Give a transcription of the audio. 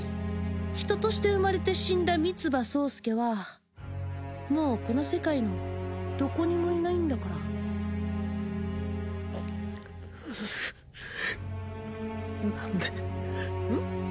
ヒトとして生まれて死んだ三葉惣助はもうこの世界のどこにもいないんだからうう何でうん？